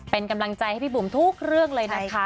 เป็นกำลังใจให้พี่บุ๋มทุกเรื่องเลยนะคะ